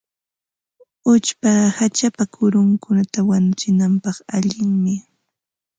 Uchpaqa hachapa kurunkunata wanuchinapaq allinmi.